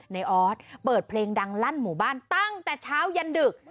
ออสเปิดเพลงดังลั่นหมู่บ้านตั้งแต่เช้ายันดึก